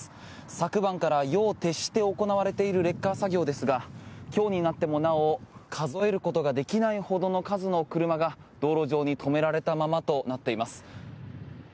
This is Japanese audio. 昨晩から夜を徹して行われているレッカー作業ですが今日になってもなお数えることができないほどの数の車が道路上に止められたままとなっています。